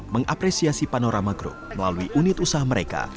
mengapresiasi panorama group melalui unit usaha mereka